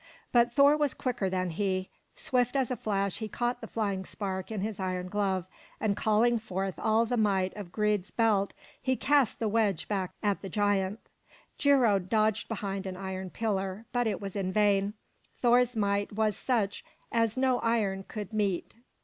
But Thor was quicker than he. Swift as a flash he caught the flying spark in his iron glove, and calling forth all the might of Grid's belt, he cast the wedge back at the giant. Geirröd dodged behind an iron pillar, but it was in vain. Thor's might was such as no iron could meet.